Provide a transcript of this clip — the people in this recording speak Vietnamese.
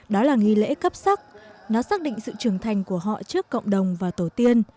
đó là nghi lễ cấp sắc nó xác định sự trưởng thành của họ trước cộng đồng và tổ tiên